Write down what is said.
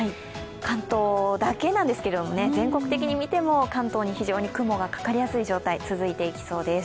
関東だけなんですけれども、全国的に見ても関東に非常に雲がかかりやすい状態が続いていきそうです。